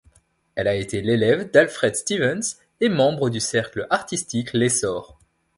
Elle a été l'élève d'Alfred Stevens et membre du cercle artistique L'Essor.